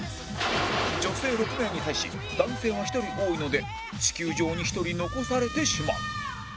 女性６名に対し男性は１人多いので地球上に１人残されてしまう